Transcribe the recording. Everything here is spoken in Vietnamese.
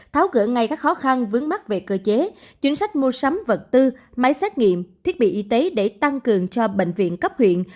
tháo gỡ ngay các khó khăn vướng mắt về cơ chế chính sách mua sắm vật tư máy xét nghiệm thiết bị y tế để tăng cường cho bệnh viện cấp huyện